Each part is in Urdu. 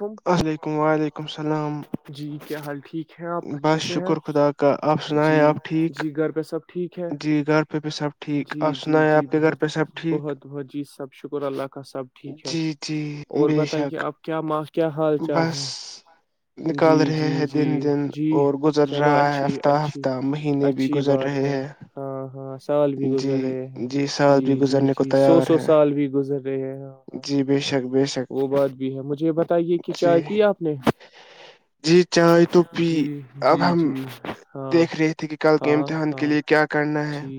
کم اللیکم وعلیکم السلام جی کیا حال ٹھیک ہے آپ اچھے بس سے ہیں شکر خدا کا آپ سنائیں جی آپ ٹھیک جی گھر پہ سب ٹھیک ہے جی گھر پہ بھی سب ٹھیک جی آپ جی سنائیں جی آپ کے گھر بہت پہ سب ٹھیک بہت بہت جی سب شکر اللہ کا سب ٹھیک ہے جی جی اور بے بتائیے شک آپ مچ [unintelligible] بس نکال جی رہے جی ہیں جی دن دن جی اور گزر چلو رہا ہے اچھی ہفتہ اچھی ہفتہ مہینے بھی اچھی گزر بات رہے ہے ہیں ہاں ہاں سال بھی گزر جی رہے ہیں سال جی بھی جی گزرنے کو جی سو تیار سو ہے سال بھی گزر رہے جی بے شک بے شک وہ بات بھی ہے مجھ یہ بتائیے کہ جی چائے پی آپ نے جی چائے تو پی جی اب جی ہم جی ہاں دیکھ رہے تھے کہ کل کے ہاں امتحان کے ہاں لیے کیا کرنا ہے جی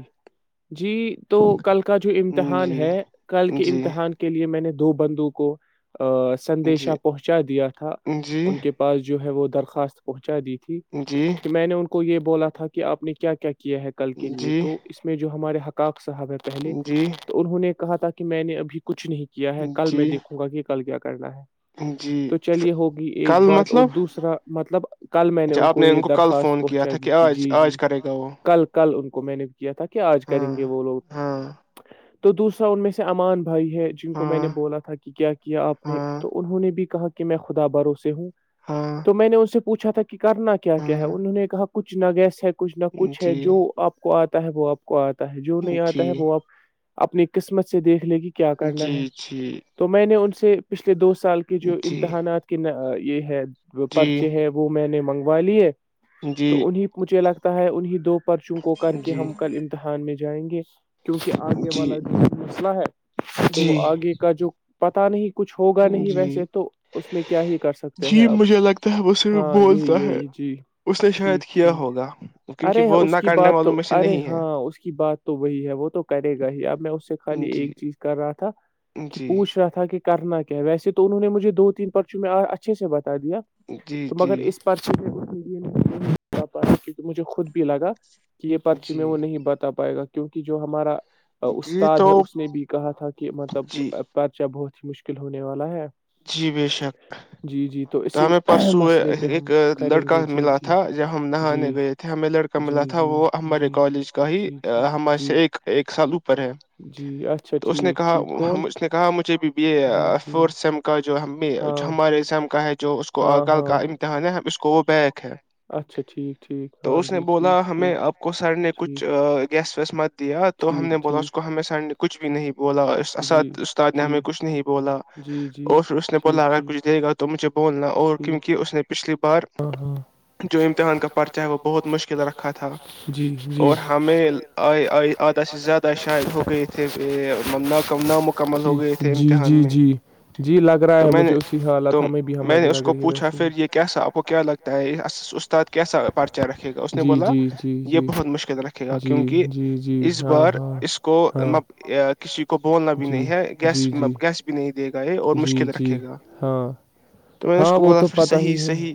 جی تو کل کا جو امتحان جی ہے کل کے جی امتحان کے لیے میں نے دو بندو کو جی سدیشا پہنچا دیا تھا جی، ان کے پاس جو ہے وہ درخواست پہنچا دی تھی جی، کہ میں نے ان کو کو یہ بولا تھا کہ آپ نے کیا کیا کیا ہے کل کے لیے جی، تو اس میں جو ہمارے ہقا صاحب ہے پہلے جی، تو انہوں نے کہا تھا کہ میں نے ابھی کچھ نہیں کیا ہے کل میں جی، دیکھوں گا کہ کل کیا کرنا ہے جی، تو ف چلیے ہوگی ایک کل بات اور مطلب دوسرا مطلب کل میں نے ان اچھا آپ کو یہ کل درخواست فون کیا پہنچا تھا دی کہ تھی آج جی جی آج کرے گا وہ کل کل ان کو میں نے کیا تھا کہ آج ہاں کریں گے وہ لوگ ہاں تو دوسرا ان میں سے امان بھائی ہے جن کو میں نے ہاں بولا تھا کہ کیا آپ نے ہاں تو انہوں نے بھی کہا کہ میں خدا باروں سے ہوں ہاں تو میں نے اس سے پوھا تھا کہ کرنا کیا کیا ہے ہاں انہوں نے کہا کچھ نہ گس کچھ نہ کچھ ہے جی جو آپ کو آ تا ہے وہ آپ کو آ جو نہیں آتا جی ہے وہ آپ اپنی قسمت سے دیکھ لے کہ کیا کرنا ہے جی جی تو میں نے ان سے سے پچھلے دو سال کے جو جی امتحانات کے یہ ہے جی پرچے ہے وہ میں نے منگوا لیے جی جی تو انہیں مجھے لگتا ہے انہیں دو پرچوں کو کر کے ہم کل امتحان میں جائیں گے کیونکہ آگے جی والا جو مسئلہ ہے تو وہ جی آگے کا جو پت ت نہیں کچھ ہوگا نہیں جی ویسے تو اس میں کیا ہی کر سکتے ہیں جی اپ مجھے لگتا ہے وہ صرف ہاں یہی بولتا ہے یہی جی اس نے شاید ٹھیک کیا ٹھیک ہوگا کیونکہ ارے وہ اس نہ کی کرنے بات والوں تو میں سے ارے نہیں ہے ہاں اس کی بات تو وہی ہے وہ تو کرے گا ہی اب میں اس سے خالی جی ایک چیز کر رہا تھا کہ جی پوچھ رہا تھا کہ کرنا کیا ہے وسے تو انہوں نے مجھے دو تین پرچوں میں اچھے سے بتا دیا جی تو مگر جی اس پرچ کیوںک مجھے خود بھی لگا کہ یہ پرچی جی میں وہ نہیں بتا پائے گا کیونکہ جو ہمارا جی استاد ہے تو اس نے بھی کہا تھا کہ مطلب جی پرچا بہت مشکل ہونے والا ہے جی بے شک جی جی تو اسی ہمیں پرسوں مسئلے پہ ہم ایک کریں لڑکا گے جی ملا جی تھا جب ہم نہانے جی گئے تھے ہمیں لڑکا جی ملا تھا جی وہ ہمارے جی کالج کا ہی جی جی ہمار جی سے ایک ایک سال اوپر ہے جی اچھا تو اس نے ٹھیک کہا ٹھیک کون اس نے کہا مجھے بھی جی یہ جی فور سم جو ہمیں ہاں ہمارے اسم کا ہے جو اس کو ہاں کل ہاں کا امتحان ہے اس اسکوپ ہے ہے اچھا ٹھیک ٹھیک تو ہاں اس نے جی بولا ٹھیک ہمیں ٹھیک آپ کو سر نے کچھ ٹھیک گیسٹ قسمت دیا تو ہم نے ٹھیک بولا اس ٹھیک کو ہمیں سڈ کچھ بھی نہیں بولا اس اسد جی استاد نے جی ہمیں کچھ نہیں بولا جی جی اور اس نے ٹھیک بولا اگر کچھ دے گا تو مجھے بولنا ٹھیک اور کیونکہ اس نے پچھلی ٹھیک پر ہاں ہاں جو امتحان کا پرچہ ہے وہ بہت مشکل رکھا تھا جی جی جی اور ہمیں آئے آئے آدھا سے زیادہ شاید ہو گئے تھےاکم نامکمل جی ہو گئے تھے جی امتحان میں جی جی لگ رہا ہے تو میں مجھے نے اسی تو حالت ہمیں بھی ہماری لگ رہی ہے ویسے ہی وہ کیا لگتا ہے یہ اس استاد کیسا پرچا رکھے گا اس نے جی بولا جی جی یہ جی بہت مشکل رکھے گا جی کیونکہ جی جی اس ہاں بار ہاں اس کو ہاں م کسی کو بولنا بھی جی نہیں ہے جی گیس جی گیس بھی نہیں دیک گ جی جی ہاں تو میں نے اس ہاں کو وہ بولا تو پھر پتہ صحیح ہی ہے صحیح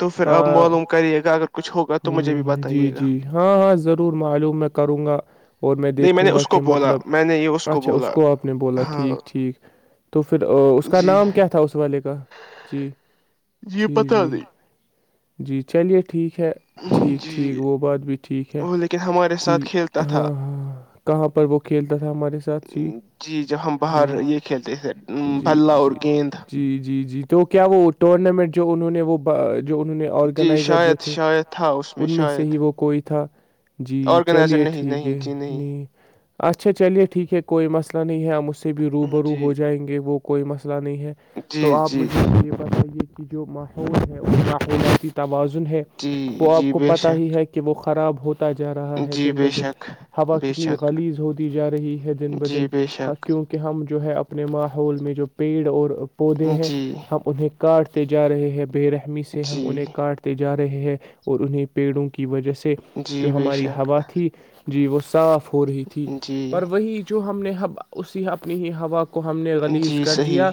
تو پھر اپ ہاں معلوم کریے گا اگر کچھ ہوگا تو مجھے بھی ہ جی بتائیے گا جی ہاں ہاں ضرور معلوم میں کروں گا اور میں نہیں نے دیکھوں گا اس کو کہ بولا مطلب میں نے یہ اچھا اس بولا کو آپ نے بولا ہاں ٹھیک ٹھیک تو پھر اس کا جی نام کیا تھا اس والے کا جی یہ جی پتا جی جی چلیے ٹھیک ہے نہیں ٹھیک ٹھیک جی وہ بات بھی ٹھیک ہے وہ لیکن ہمارے ساتھ جی کھیلتا تھا ہاں ہاں کہاں پر وہ کھیلتا تھا ہمارے ساتھ جی جی جب ہم جی باہر یہ کھیلتے تھے جی بھلا اور جی گیند جی جی جی تو کیا وہ ٹورنامنٹ جو انہوں نے وہ انہوں نے جی آرگنائزر جو شاید تھے شاید تھا اس ان میں سے شاید ہی وہ کوئی تھا جی آرگنائزر چلیے نہیں ٹھیک نہیں ہے جی نہیں اچھا چلیے ٹھیک ہے کوئی مسلہ نہیں ہے اس سے بھی روبرو ہو جی جائیں گے وہ کوئی مش نہیں ہے جی تو آپ جی مجھے یہ پتے جو ماحول ہے اس کا پ تو ہے جی وہ آپ جی کو بے پتا ہی شک ہے کہ وہ خ خراب ہوتا جا رہا ہے جی دن بہ بے دن شک ہوا بے کتنی شک خلیز ہوتی جا رہی ہے دن بہ دن جی بے شک کیونکہ ہم جو ہے اپنے ماہ ہوول میں جو پیڑ اور پودے ہیں جی ہم انہیں کاٹتے جا رہے ہے برہ جی ہم انہیں کاٹتے جا رہے رہے ہیں اور انہیں پیڑوں کے کی وجہ سے جو جی بے ہماری شک ہوا تھی جی وہ صاف ہو رہی تھی جی پر وہی جو ہم نے ب اسی اپنی ہی ہوا ہم نے غلیز جی کر دیا صحیح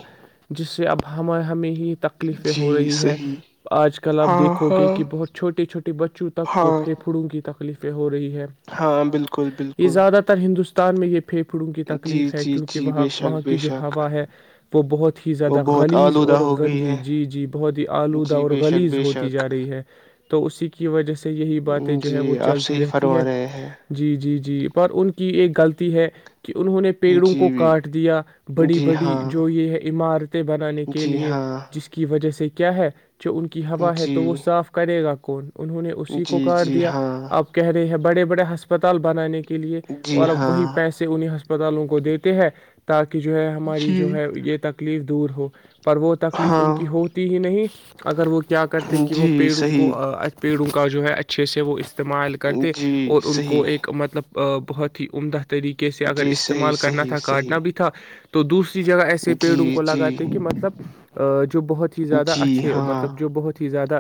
جس سے اب ہمیں ہمیں ہی تکلیفیں جی ہو رہی ہے صحیح آج کل آپ ہاں دیکھو گے ہاں کہ بہت چھوٹے چھوٹے بچوں تک کو ہاں پھیپھڑوں گی تکلیفیں ہو رہی ہیں ہے ہاں بالکل یہ بالکل زیادہ تر ہندوستان اسان میں یہ پھیپھڑوں کی جی تکلیف ہے جی کیونکہ جی وہاں بے شک وہاں بے کی جو شک ہوا ہے وہ بہت ہی وہ زیادہ بہت خلیز آلودہ اور ہو گئی گندی ہے جی جی بہت ہی آلود جی بے شک گلیز بے ہوتی شک جا رہی ہے تو اسی کی وجہ سے یہی باتیں جو ہیں جی وہ آپ چلتی صحیح رہتی ہیں فرما رہے جی جی جی پر ان کی ایک غلطی ہے کہ کہ انہوں نے پیڑوں کو جی کاٹ دیا بڑی جی بڑی ہاں جو یہ ہے عمارت بنانے کے جی لئے ہاں جس کی وجہ سے کہ کیا ہے جو ان کی ہوا ہے تو وہ جی صاف کرے گا کون انہوں نے اسی جی کو کاٹ جی دیا ہاں آپ کہہ رہے ہیں بڑے بڑے ہسپتال بنانے کے لیے جی اور اب ہاں وہی پیسے انہیں ہاسپٹ تالوں کو دیتے ہیں تاکہ کہ جو ہے ہماری جی جو ہے یہ تکلیف دور ہو [unintelligible] پر وہ تکلیف ان ہاں کی ہوتی ہی نہیں اگر وہ [unintelligible] کیا کرتے کہ وہ جی پیڑوں کو صحیح پیڑوں کا جو ہے اچھے سے وہ استعمال کرتے جی اور ان کو صحیح ایک مطلب بہت ہی عمدہ طریقے سے اگر جی صحیح استعمال کرنا صحیح تھا کاٹنا صحیح بھی تھا تو دوس جگہ ایسے پیڑوں جی کو لگاتے کہ جی مطلب جو بہت ہی زیادہ جی اچ ہاں مطلب جو بہت ہی زیادہ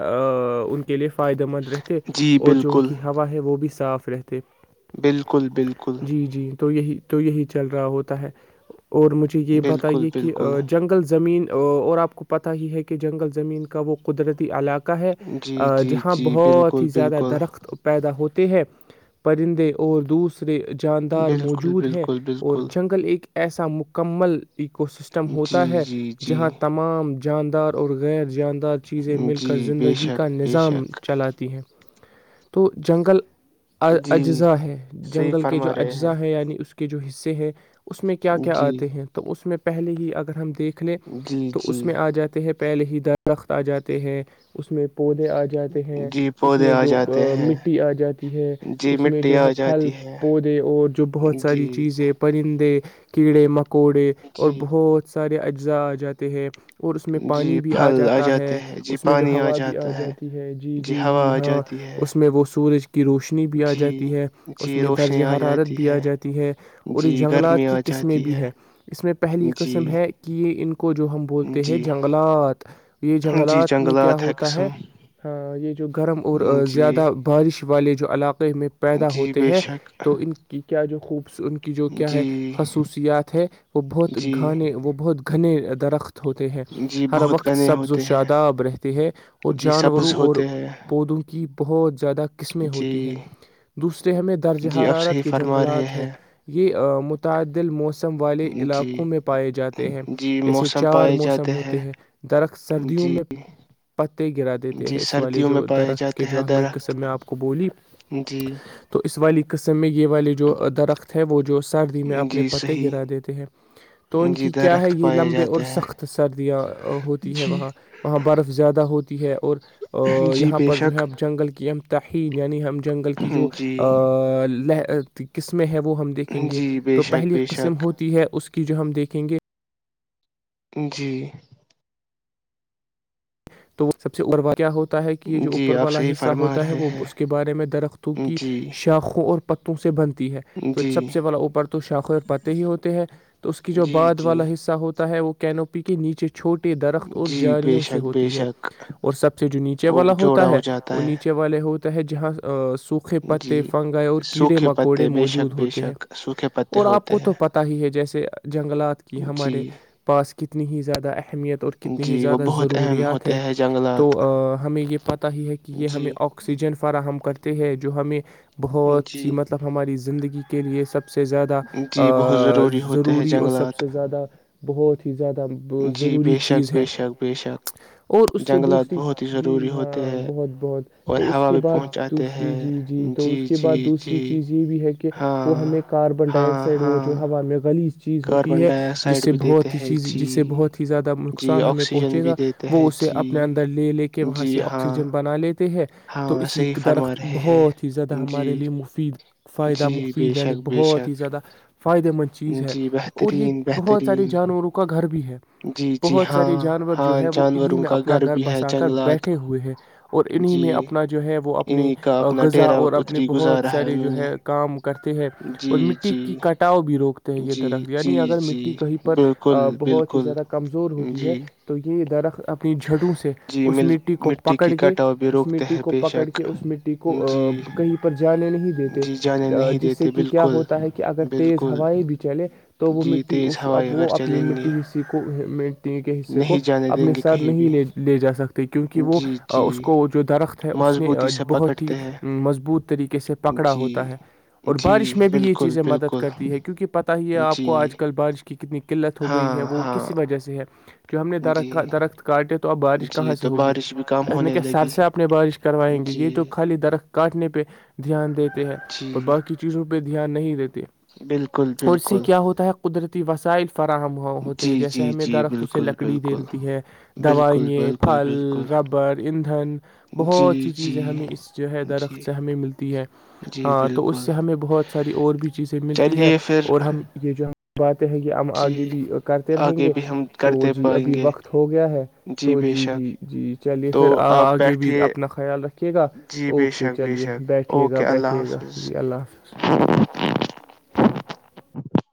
ان کے لیے فائدہ مند رہتے جی اور جو ان بالکل کی ہوا ہے وہ بھی صاف فت بالکل بالکل جی تو یہی تو یہی چل رہا ہوتا ہے اور مجھے یہ بالکل بتائیے کہ بالکل جنگل زمین اور آپ کو پتا ہی ہے کہ جنگل زمین کا وہ قدرتی علاق ہے جی جی جہاں جی بہت بالکل ہی زیادہ بالکل درخت پیدا ہوتا ہیں پرندے اور دوسر جاندار بالکل موجود ہیں بالکل اور بالکل جنگل ایک ایسا مکمل ایکو سسٹم جی ہوتا ہے جی جی جہاں تمام شاندار اور غیر جاندار چیزیں مل جی کر بے زندگی شک کا بے نظام شک چلاتی ہیں تو جنگل جی اجزاء ہے صحیح جنگل کے جو فرما رہے اجزاء ہیں یعنی اس کے کے جو حصے ہیں اس میں کیا کیا جی آتے ہیں تو اس میں پ پہلے ہی اگر ہم دیکھ لیں جی تو اس جی میں آ جاتے ہیں پ پہل ہی دار درخت آ جاتے ہیں اس میں پودے آ جاتے ہیں جی اس پودے میں آ جو جاتے ہیں مٹی آ جاتی ہے جی اس میں مٹی جو آ ہے پھل جاتی ہے پودے اور جو بہت ساری جی چیزیں پرندے کیڑے مک پکوڑے اور جی بہت سارے اجزاء آ جاتے ہیں اور اس میں پانی جی بھی آ پھل جاتا ہے جاتے ہیں جی اس میں جو پانی ہوا بھی آ جاتا جاتی ہے جی جی ہوا جی آ ہاں جاتی ہے اس میں وہ سورج کی روشنی بھی آ جی جاتی ہے اس جی میں روشنی درجہ آ حرارت جاتی بھی آ ہے جاتی ہے اور جی اس گرمی جنگلات کی آ قسمیں جاتی بھی ہے اس میں پہلی جی قسم ہے کہ ان کو جو ہم بولتے ہیں جی جنگلات جی جنگلات میں کیا جنگلات ہوتا ہے قسم ہ یہ جو گرم اور جی زیادہ بارش والے جو علاقہ میں پیدا جی ہوتے بے ہیں شک تو ان کی کیا جو خوب ان کی جو کیا ہے جی خصوصیات ہے وہ بہت جی گھنے وہ بہت گھنے درخت ہوتے ہیں جی ہر بہت وقت گنے سبز و ہوتے ہیں شاداب رہتے ہیں اور جی سبز جانوروں اور ہوتے ہیں پودوں کی بہوج زیادہ قسمیں ہوتی ہیں جی دوسرے ہمیں درجہ جی اب حرارت صحیح کے فرما رہے جنگلات ہیں یہ متعدل موسم موسم والے علاقوں جی میں پائے جاتے ہیں جی جیسے موسم چار پائے موسم جاتے ہوتے ہیں درخت سردیوں جی میں پتے گرا دیتے جی ہیں اس والے سردیوں میں جو پائے درخت کے جاتے ہیں جو ہم نے ایک قسم درخت میں آپ کو بولی جی تو اس والی قسم میں یہ والے جو درخت ہے وہ جو سردی میں اپنے جی پتے گرا صحیح دیتے ہیں تو ان جی کی کیا ہے درخت یہ پائے لمبے اور جاتے ہیں سخت سردیاں ہوتی ہے جی وہاں وہاں برف زیادہ ہوتی ہے اور جی یہاں بے پر جو ہے شک اب جنگل کی امتاح یعنی ہم جنگل کی جو جی ل ت کس میں ہیپ ہم دیکھیں گے جی بے تو شک پہلی بے قسم شک ہوتی ہے اس کے کہ جو ہم دیکھیں گے جی تو وہ سب سے اور والات ہوتا ہے کہ یہ جو جی اوپر آپ والا صحیح حصہ فرما ہوتا ہے رہے وہ ہیں اس کے بارے میں درختوں کی جی شاخوں اور پتوں سے بند ہے تو جی سب سے والا اوپر تو شاخوں پاتے ہی ہوتے ہیں تو اس کی جو جی بعد جی والا حصہ ہوتا ہے وہ کینوپی کے نیچے چھوٹے درخت اور جی بے جااریوں سے شک ہوتے بے ہے شک اور سب سے جو نیچے وہ والا ہوتا جوڑا ہو ہے جاتا وہ نیچے ہے والے ہوتے تح جہاں سوکھے جی پتے فنگائے اورکڑے سوکھے مکوڑے پتے بے موجود شک بے ہوتے ہیں شک سوکھے پتے اور آپ ہوتے کو ہیں تو پتہ ہی ہے جیسے جنگلاتک جی ہمارے پاس کتنی ہی زیادہ اہمیت اور کتنی ہی جی وہ زیادہ بہت اہم ضروریات ہے ہوتے ہیں تو جنگلات ہمیں یہ پتا ہی ہے کہ یہ ہمیں جی آکسیجن فراہ ہم کرتے ہیں جو ہمیں بہت جی سی مطلب ہماری زندگی کے لیے سب سب سے زیادہ جی بہت ضروری ہوتے ہیں ضروری اور سب جنگلات سے زیادہ بہت ہی زیاہ جی بشک بے شک بشک اور اس سے دوسری جی ہاں بہت بہت اور تو اس ہوا کے بھی بعد پہنچاتے دوسری ہیں جی جی تو اس کے جی بعد جی دوسری چیز یہ بھی ہے کہ ہاں وہ ہمیں کاربن ڈائی ہاں آکسائڈ وہ جو ہاں ہوا میں جلی چیز ہوتی کاربن ہے ڈائی جس آکسائڈ سے بھی دیتے بہت ہی ہیں چیز جی جس سے بہت ہی زیادہ جی نقصان ہمیں آکسیجن پہنچے بھی گا دیتے وہ ہیں اسے جی اپنے اندر لے لے کے وہاں جی سے ہاں آکسیجن بنا لی ت ہے تو ہاں اسی صحیح فرما درخت رہے ہیں بہت ہی زیادہ جی ہمارے لیے مفید فائدہ جی بے مفید یعنی شک بے بہت ہی شک زیادہ فائدے مند چیز ہے جی اور یہ بہترین بہت سارے بہترین جانوروں کا گھر بھی ہے جی جی بہت ہاں سارے جانور ہاں جو ہے وہ جان انہیں میں اپنا گھر بسا کر بیٹھے ہوئے ہیں اور انہیں جی میں اپنا جو ہے وہ اپنی انہیں کا اپنا غذا ڈیرا اور اپنے اتری بہت گزارا سارے جو انہوں نے ہے کام کرتے ہیں جی اور مٹی جی کی کٹاؤ بھی روکتے ہیں یہ جی درخت جی یعنی اگر مٹی جی کہیں پر بالکل بہت ہی بالکل زیادہ کمزور ہوتی ہے جی تو یہ درخت اپنی جھڑوں سے جی اس مل مٹی کو پکڑ کی کے کٹاؤ بھی اس روکتے مٹی ہیں کو بے پکڑ شک کے اس مٹی کو جی کہیں پر جانے نہیں دیتے جی جانے نہیں جس سے دیتے کہ کیا بالکل ہوتا ہے کہ اگر تیز بالکل ہوائیں بھی چلے تو وہ جی مٹی تیز اس اب ہوائیں اگر وہ اپنی چلیں گے مٹی حص کو مٹی کے حصے کو نہیں جانے دیں اپنے گے سے کہیں بھی نہیںے لے جا سکتے کیونکہ وہ جی جی اس کو جو درخت ہے اس نے مضبوطی سے بہت ہی پکڑتے ہیں مضبوط طریقے سے پکڑا ہوتا جی ہے اور جی بارش میں بھی یہ بالکل چیزیں مدد بالکل کرتی ہے کیونکہ پتہ ہی ہے آپ جی کو آج کل بارش کہ کتنی قلت ہو ہاں گئی ہے وہ ہاں کسی وجہ سے ہے جو ہم نے درخت کا جی درخت تو بارش کہاں جی سے تو ہوگی بارش بھی کام نے ہونے کہ سر لگی سے اپنے بارش کروائیں گے جی یہ تو خالی درخت کاٹ نپہ دھیان دیتے ہیں جی پر باقی چیزوں پہ دھیان نہیں دیتے بالکل اور اس سے بالکل کیا ہوتا ہے قدرتی ت وسائل فراہم ہو جی ہوتے جی جیسے ہمیں جی درخت اسے بالکل لکڑی بالکل دلتی ہے بالکل دوائیں بالکل پھل بالکل ربڑ ایندھن جی بہت سی جی چیزیں ہمیں اس جو ہے جی درخت سے ہمیں ملتی ہے جی ہاں تو اس بالکل سے ہمیں بہت ساری اور بھی چیزیں ملتی ہے چلیے پھر اور ہم یہ جو بات ہیں کہ ہم جی آگے بھی کرتے رہیں آگے گے بھی ہم تو کرتے جی پائیں ابھی گے وقت ہو گیا ہے تو بے جی شک جی جی چلیے تو پھر آپ آگے بھی بیٹھیے اپنا خیال رکھیے گا جی بے اوکے شک بے چلیے شک بیٹھیے گا اوکے اللہ بیٹھیے گا حافظ جی اللہ حافظ [inaudible]